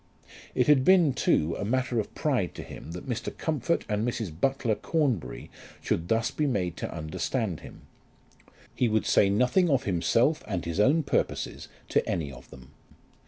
It had been, too, a matter of pride to him that Mr. Comfort and Mrs. Butler Cornbury should thus be made to understand him. He would say nothing of himself and his own purposes to any of them.